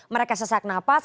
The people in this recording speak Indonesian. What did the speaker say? mereka sesak nafas